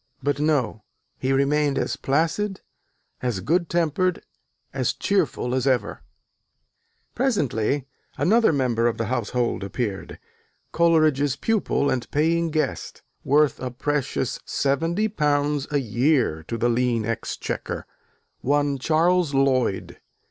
But no: he remained as placid, as good tempered, as cheerful as ever. Presently another member of the household appeared, Coleridge's pupil and paying guest, worth a precious £70 a year to the lean exchequer, one Charles Lloyd.